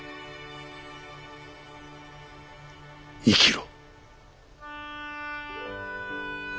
生きろ。